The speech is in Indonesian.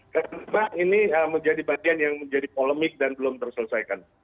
karena ini menjadi bagian yang menjadi polemik dan belum terselesaikan